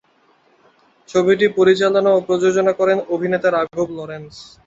ছবিটি পরিচালনা ও প্রযোজনা করেন অভিনেতা রাঘব লরেন্স।